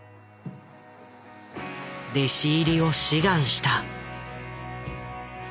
弟子入りを志願した。